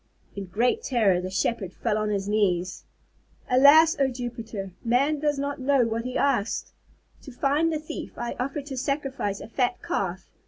In great terror the Shepherd fell on his knees. "Alas, O Jupiter, man does not know what he asks! To find the thief I offered to sacrifice a fat Calf.